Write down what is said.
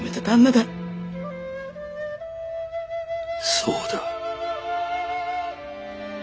そうだ。